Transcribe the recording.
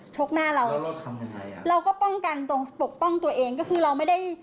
ชกหน้าเราเราก็ป้องกันปกป้องตัวเองก็คือเราไม่ได้